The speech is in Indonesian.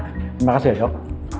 terima kasih ya sok